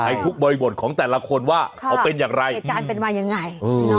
ทุกบริบทของแต่ละคนว่าเขาเป็นอย่างไรเหตุการณ์เป็นมายังไง